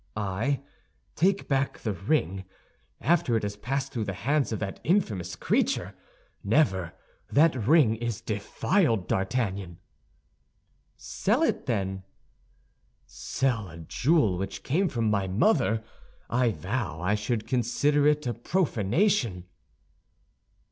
"I take back the ring, after it has passed through the hands of that infamous creature? Never; that ring is defiled, D'Artagnan." "Sell it, then." "Sell a jewel which came from my mother! I vow I should consider it a profanation."